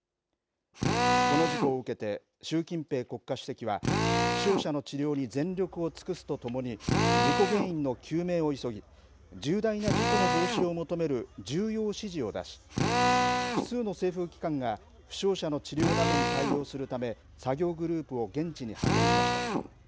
この事故を受けて習近平国家主席は負傷者の治療に全力を尽くすとともに事故原因の究明を急ぎ重大な事故の防止を求める重要指示を出し複数の政府機関が負傷者の治療などに対応するため作業グループを現地に派遣しました。